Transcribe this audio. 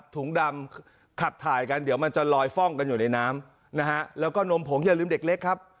ถุงดำขัดถ่ายกันเดี๋ยวมันจะลอยฟ่องกันอยู่ในน้ำนะฮะแล้วก็นมผงอย่าลืมเด็กเล็กครับ